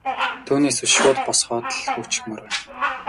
Түүнээс биш шууд босгоод л хөөчихмөөр байна.